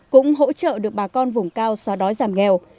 cũng hỗ trợ được bà con vùng cao xóa đói giảm nghèo